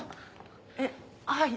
えっはい。